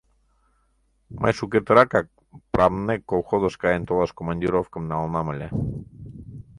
Мый шукертыракак «Прамнэк» колхозыш каен толаш командировкым налынам ыле.